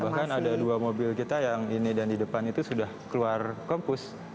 bahkan ada dua mobil kita yang ini dan di depan itu sudah keluar kompus